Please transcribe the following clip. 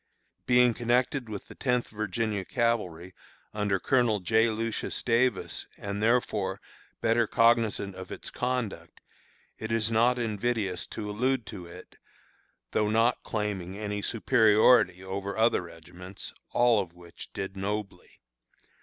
Being connected with the Tenth Virginia Cavalry, under Colonel J. Lucius Davis, and, therefore, better cognizant of its conduct, it is not invidious to allude to it, though not claiming any superiority over other regiments, all of which did nobly.